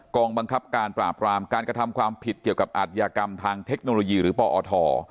องบังคับการปราบรามการกระทำความผิดเกี่ยวกับอัธยากรรมทางเทคโนโลยีหรือปอท